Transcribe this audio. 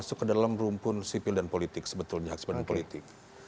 karena kebebasan beragama itu masuk ke dalam rumpun sipil dan politik sebetulnya hak sipil dan politik